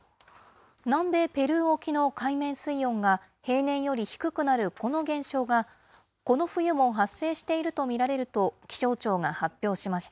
南米ペルー沖の海面水温が平年より低くなるこの現象が、この冬も発生していると見られると、気象庁が発表しました。